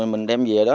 mình đem về đó